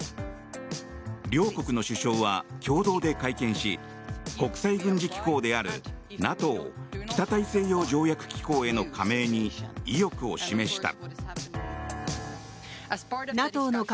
両国の首相は共同で会見し国際軍事機構であるＮＡＴＯ・北大西洋条約機構への加盟に意欲を示した。